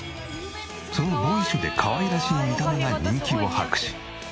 そのボーイッシュでかわいらしい見た目が人気を博し。